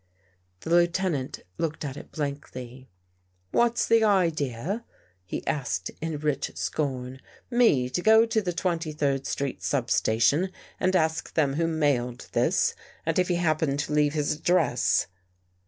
The Lieutenant looked at it blankly. " What's the idea? " he asked in rich scorn. " Me to go to AN EVEN BREAK the Twenty third Street substation and ask them who mailed this, and if he happened to leave his ad dress?